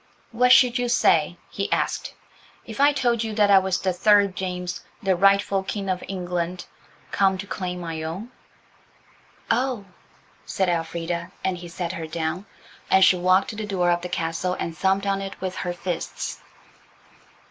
"What should you say," he asked, "If I told you that I was the third James, the rightful King of England, come to claim my own?" "Oh!" said Elfrida, and he set her down, and she walked to the door of the castle and thumped on it with her fists.